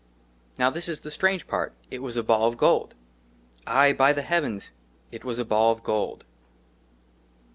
NOW THIS IS THE STRANGE PART : IT WAS A BALL OF GOLD. AYE, BY THE HEAVENS, IT WAS A BALL OF GOLD.